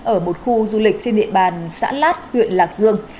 ở một khu du lịch trên địa bàn xã lát huyện lạc dương